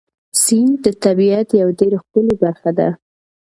سیند د طبیعت یوه ډېره ښکلې برخه ده.